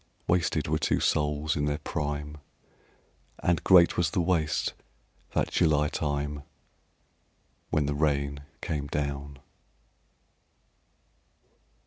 Wasted were two souls in their prime, And great was the waste, that July time When the rain came down.